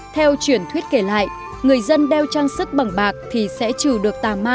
theo truyền thuyết kể lại người dân đeo trang sức bằng bạc thì sẽ có nhiều trang sức bằng bạc